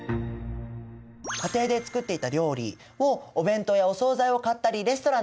家庭で作っていた料理をお弁当やお総菜を買ったりレストランなどでね